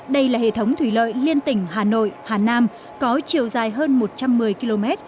đây là hệ thống thủy lợi liên tỉnh hà nội hà nam có chiều dài hơn một trăm một mươi km